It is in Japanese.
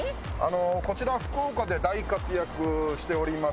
こちら福岡で大活躍しております